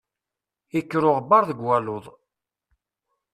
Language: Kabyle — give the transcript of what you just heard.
Ikker uɣebbar deg waluḍ.